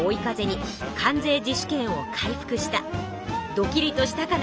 ドキリとしたかな？